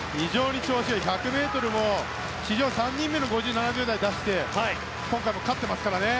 今大会１００ｍでも史上３人目の５７秒台出して今回も勝っていますからね。